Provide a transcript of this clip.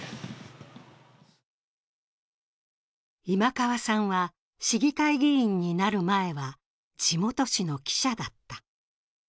今川さんは、市議会議員になる前は地元紙の記者だった。